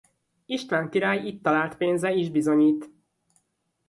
István király itt talált pénze is bizonyít.